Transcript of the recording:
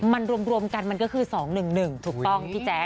มันรวมกันมันก็คือ๒หนึ่งหนึ่งถูกต้องพี่แจ๊ค